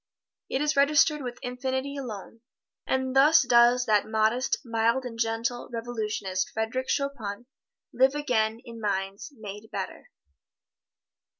It is registered with Infinity alone. And thus does that modest, mild and gentle revolutionist Frederic Chopin live again in minds made better.